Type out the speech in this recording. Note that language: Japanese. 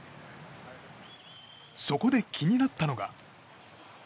そこで気になったのが。